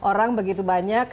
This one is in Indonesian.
dan orang begitu banyak